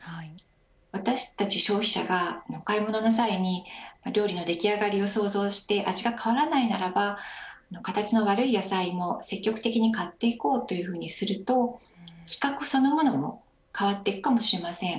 私たち消費者がお買い物の際に料理のでき上がりを想像して味が変わらないならば形の悪い野菜も積極的に買っていこうというふうにすると規格そのものも変わっていくかもしれません。